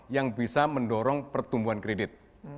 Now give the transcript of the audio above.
yang bisa mendorong pertumbuhan kredit